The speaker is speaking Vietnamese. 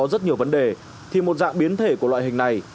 có rất nhiều vấn đề thì một dạng biến thể của loại hình này